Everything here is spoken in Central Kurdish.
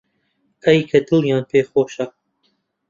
ئای کە دڵیان پێی خۆشە